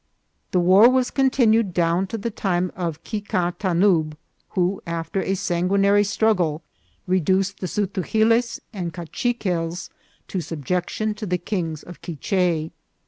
The war was con tinued down to the time of Kicah Tanub, who, after a sanguinary struggle, reduced the Zutugiles and Kachi quels to subjection to the kings of Q,uich6.